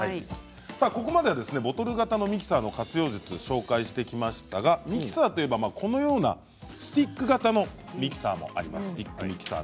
ここまでボトル型のミキサーの活用術を紹介してきましたがミキサーといえばこのようなスティック型のミキサーもあります。